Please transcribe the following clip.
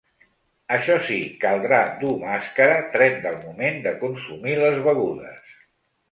Això sí, caldrà dur màscara, tret del moment de consumir les begudes.